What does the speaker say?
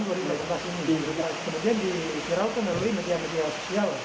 kemudian dikira itu mengaruhi media media sosial